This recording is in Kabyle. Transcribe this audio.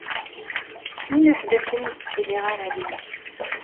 Ini-as d akken ur ttiliɣ ara din.